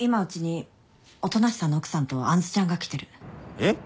えっ？